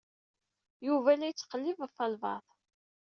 Yuba la yettqellib ɣef walbaɛḍ.